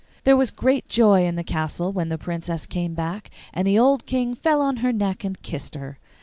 There was great joy in the castle when the Princess came back, and the old King fell on her neck and kissed her.